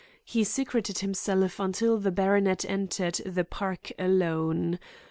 He secreted himself until the baronet entered the park alone.